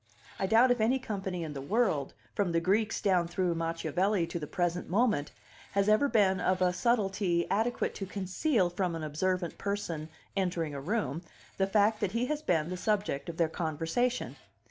I doubt if any company in the world, from the Greeks down through Machiavelli to the present moment, has ever been of a subtlety adequate to conceal from an observant person entering a room the fact that he has been the subject of their conversation.